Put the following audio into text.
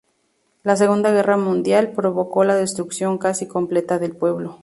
La Segunda Guerra Mundial provocó la destrucción casi completa del pueblo.